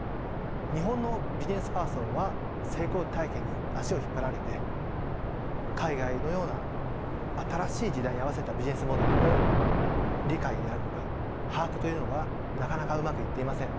日本のビジネスパーソンは成功体験に足を引っ張られて海外のような新しい時代に合わせたビジネスモデルの理解であるとか把握というのがなかなかうまくいっていません。